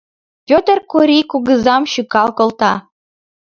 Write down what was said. Пӧтыр Корий кугызам шӱкал колта.